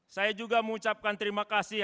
saya juga mengucapkan terima kasih